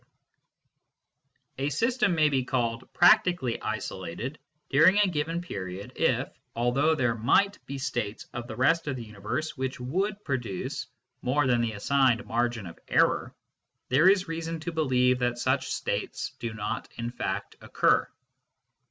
N 198 MYSTICISM AND LOGIC A system may be called " practically isolated " during a given period if, although there might be states of the rest of the universe which would produce more than the assigned margin of error, there is reason to believe that such states do not in fact occur.